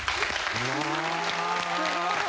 すごい。